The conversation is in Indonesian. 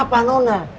berhitungan apa nona